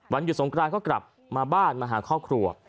หยุดสงกรานก็กลับมาบ้านมาหาครอบครัว